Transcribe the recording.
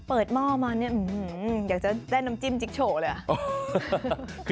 เปิดเมาะมาอยากจะได้นมจิ้มจิ้ม